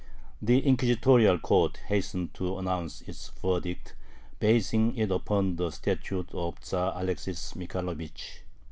The Inquisitorial Court hastened to announce its verdict, basing it upon the "statute" of Tzar Alexis Michaelovich.